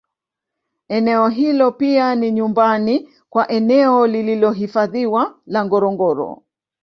Eneo hilo pia ni nyumbani kwa eneo lililohifadhiwa la Ngorongoro